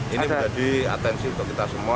ini menjadi atensi untuk kita semua